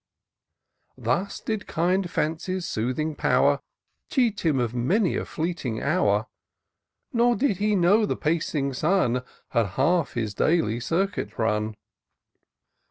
Thus did kind Fancy's soothing power Cheat him of many a fleeting hour ; Nor did he know the pacing Sun Had half his daily circuit run.